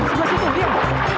sebelah situ diam